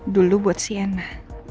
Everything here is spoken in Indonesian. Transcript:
dulu buat sienna